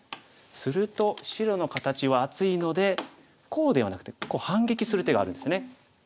すると白の形は厚いのでこうではなくて反撃する手があるんですよね。